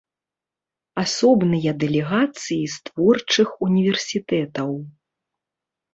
Асобныя дэлегацыі з творчых універсітэтаў.